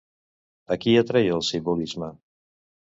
A qui atreia el simbolisme?